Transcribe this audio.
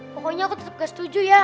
pokoknya aku tetap gak setuju ya